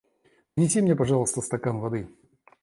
Принесите мне, пожалуйста, стакан воды.